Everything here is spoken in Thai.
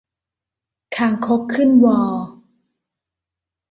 คางคกขึ้นวอ